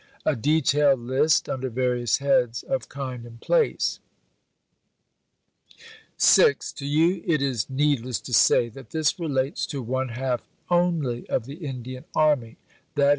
[a detailed list, under various heads of kind and place]. (6) To you it is needless to say that this relates to one half only of the Indian Army (_i.